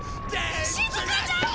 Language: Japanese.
しずかちゃん！